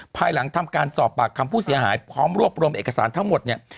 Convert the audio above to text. ภายหลังทำการสอบปากคำผู้เสียหายพร้อมรวบรวมเอกสารทั้งหมดเนี่ย